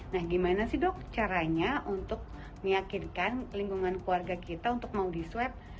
nah gimana sih dok caranya untuk meyakinkan lingkungan keluarga kita untuk mau di swab